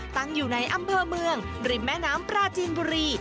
ตั้งอยู่ในอำเภอเมืองริมแม่น้ำปราจีนบุรี